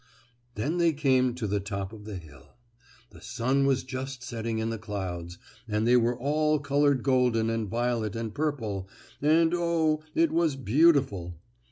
Then they came to the top of the hill. The sun was just setting in the clouds, and they were all colored golden and violet and purple, and oh, it was beautiful!